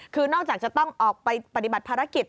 คือนอกจากจะต้องออกไปปฏิบัติภารกิจ